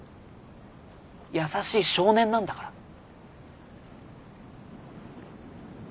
優しい少年なんだから。